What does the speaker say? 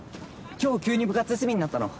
今日、急に部活休みになったの。